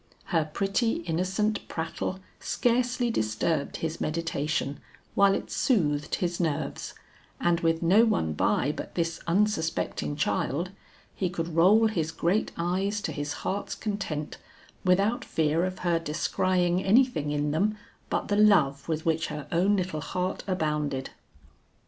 Her pretty innocent prattle scarcely disturbed his meditation, while it soothed his nerves, and with no one by but this unsuspecting child, he could roll his great eyes to his heart's content without fear of her descrying anything in them, but the love with which her own little heart abounded.